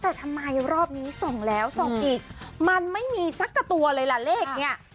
แต่ทำไมรอบนี้ส่องแล้วส่องอีกมันไม่มีสักกับตัวเลยล่ะเลขเนี่ย